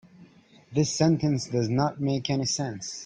This sentence does not make any sense.